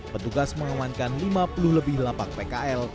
petugas mengamankan lima puluh lebih lapak pkl